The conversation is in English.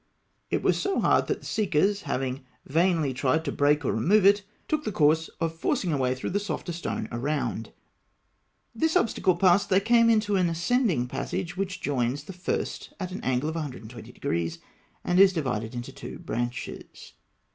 It was so hard that the seekers, after having vainly tried to break or remove it, took the course of forcing a way through the softer stone around (Note 23). This obstacle past, they came into an ascending passage which joins the first at an angle of 120° (Note 24), and is divided into two branches.